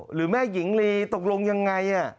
หรือแม่หญิงลีตกลงยังไง